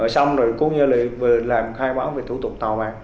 xong rồi cố gắng làm khai báo về thủ tục tàu mà